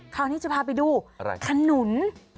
คราวนี้จะพาไปดูขนุน